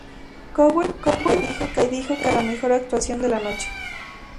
Cowell le dijo que había sido la mejor actuación de la noche.